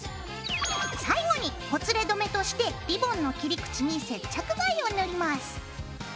最後にほつれ止めとしてリボンの切り口に接着剤を塗ります。